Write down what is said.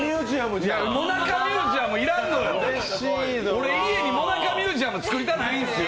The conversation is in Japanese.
俺、家にもなかミュージアム作りたくないんすよ！